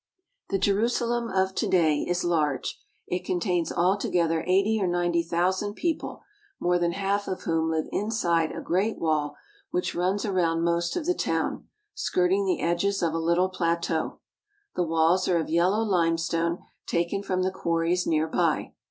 The Jerusalem of to day is large. It contains all to gether eighty or ninety thousand people, more than half of whom live inside a great wall which runs around most of the town, skirting the edges of a little plateau. The walls are of yellow limestone taken from the quarries near by.